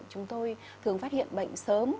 chúng tôi thường phát hiện bệnh sớm